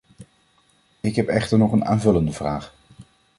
Ik heb echter nog een aanvullende vraag.